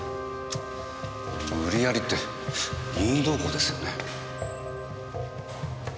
無理やりって任意同行ですよね。